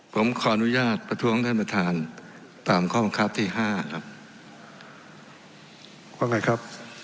ผมขออนุญาตประท้วงท่านประธานตามข้อบังคับที่ห้าครับว่าไงครับ